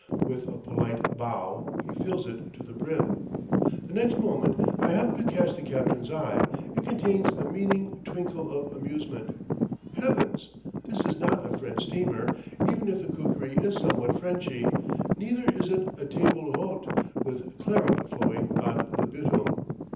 With a polite bow he fills it to the brim. The next moment, I happen to catch the captain's eye, it contains a meaning twinkle of amusement. Heavens! this is not a French steamer, even if the cookery is somewhat Frenchy; neither is it a table d'hote with claret flowing ad libitum.